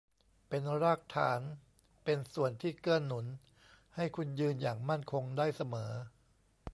เป็นรากฐานเป็นส่วนที่เกื้อหนุนให้คุณยืนอย่างมั่นคงได้เสมอ